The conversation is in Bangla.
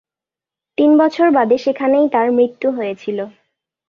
তিন বছর বাদে সেখানেই তাঁর মৃত্যু হয়েছিল।